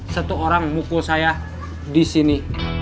satu orang mukul saya di sini